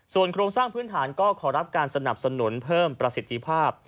ส่วนโครงสร้างพื้นฐานก็ขอรับการสนับสนุนเพิ่มประสิทธิภาพ